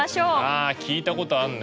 あ聞いたことあんね。